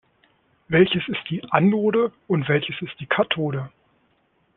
Welches ist die Anode und welches die Kathode?